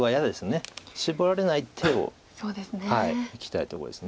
シボられない手をいきたいとこです。